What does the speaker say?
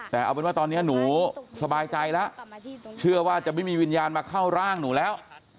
แต่เอาเป็นว่าตอนนี้หนูสบายใจแล้วเชื่อว่าจะไม่มีวิญญาณมาเข้าร่างหนูแล้ว